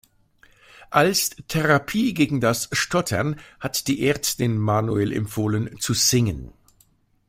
Als Therapie gegen das Stottern hat die Ärztin Manuel empfohlen zu singen.